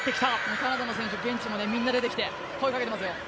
カナダの選手ベンチもみんな出てきて声をかけてますよ。